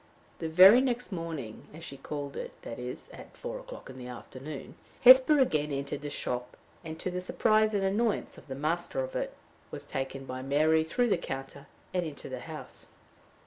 The very next morning, as she called it that is, at four o'clock in the afternoon Hesper again entered the shop, and, to the surprise and annoyance of the master of it, was taken by Mary through the counter and into the house.